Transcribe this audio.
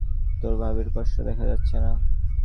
তোর ভাবির কষ্ট দেখা যাচ্ছে না।